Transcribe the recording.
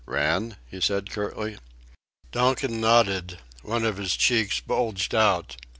"Ran?" he said curtly. Donkin nodded: one of his cheeks bulged out.